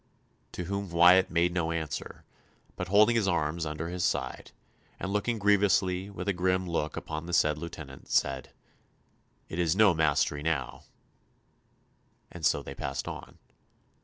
"To whom Wyatt made no answer, but, holding his arms under his side, and looking grievously with a grim look upon the said Lieutenant, said, 'It is no mastery now,' and so they passed on."